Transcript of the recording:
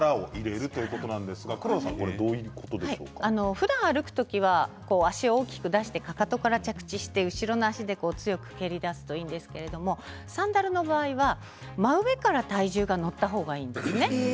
ふだん歩く時は、足を大きく出してかかとから着地して後ろの足で強く蹴り出すといいんですけれどサンダルの場合は真上から体重が乗った方がいいんです。